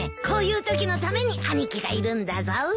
こういうときのために兄貴がいるんだぞ。